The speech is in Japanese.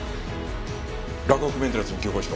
洛北メンテナンスに急行しろ。